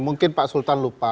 mungkin pak sultan lupa